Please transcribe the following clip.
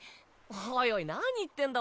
おいおい何言ってんだ？